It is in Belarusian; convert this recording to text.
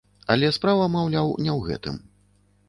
Але справа, маўляў, не ў гэтым.